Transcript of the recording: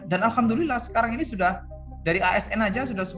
dan alhamdulillah sekarang ini sudah dari asn saja sudah sepuluh zakat